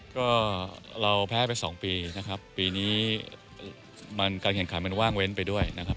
ก็เราแพ้ไป๒ปีนะครับปีนี้การแข่งขันมันว่างเว้นไปด้วยนะครับ